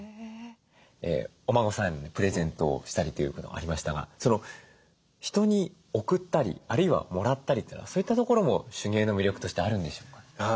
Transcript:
お孫さんへのプレゼントをしたりということがありましたが人に贈ったりあるいはもらったりっていうのはそういったところも手芸の魅力としてあるんでしょうか？